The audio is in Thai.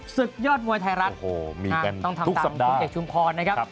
สุดยอดมวยไทยรัฐโอ้โหมีกันทุกสัปดาห์ต้องทำตามคุณเอกชุมพรนะครับ